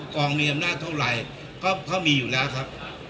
กองมีอำนาจเท่าไหร่เพราะมีอยู่แล้วครับ